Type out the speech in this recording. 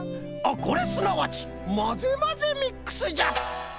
これすなわちまぜまぜミックスじゃ！